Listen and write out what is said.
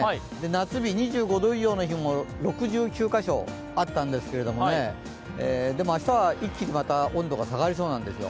夏日、２５度以上の日も６９か所あったんですけれども、でも明日は一気にまた温度が下がりそうなんですよ。